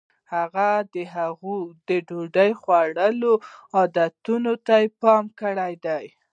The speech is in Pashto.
هغې د هغوی د ډوډۍ خوړلو عادتونو ته پام کړی دی.